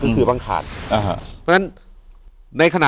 อยู่ที่แม่ศรีวิรัยิลครับ